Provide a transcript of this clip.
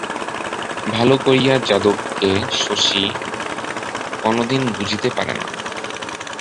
ভালো করিয়া যাদবকে শশী কোনোদিন বুঝিতে পারে না।